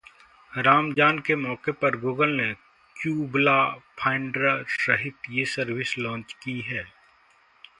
रमजान के मौके पर गूगल ने Qibla Finder सहित ये सर्विस लॉन्च की है